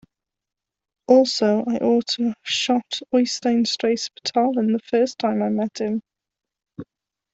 Also, I ought have shot Oystein Stray Spetalen the first time I met him.